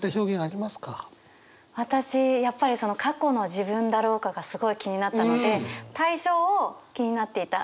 私やっぱりその「過去の自分だろうか」がすごい気になったので対象を「気になっていた